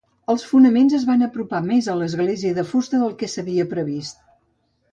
Els fonaments es van apropar més a l'església de fusta del que s'havia previst.